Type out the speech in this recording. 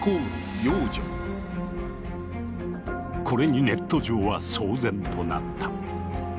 これにネット上は騒然となった。